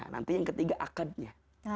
nanti yang ketiga akadnya